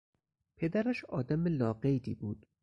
پدرش آدم لاقیدی بود.